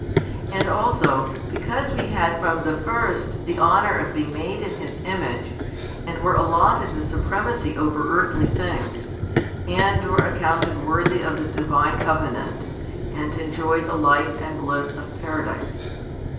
And also, because we had from the first the honour of being made in His image, and were allotted the supremacy over earthly things, and were accounted worthy of the Divine covenant, and enjoyed the life and bliss of Paradise.